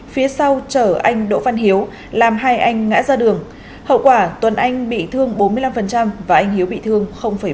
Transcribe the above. phía sau chở anh đỗ văn hiếu làm hai anh ngã ra đường hậu quả tuấn anh bị thương bốn mươi năm và anh hiếu bị thương bốn mươi